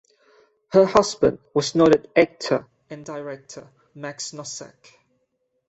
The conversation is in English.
Her husband was noted actor and director Max Nosseck.